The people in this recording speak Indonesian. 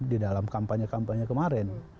di dalam kampanye kampanye kemarin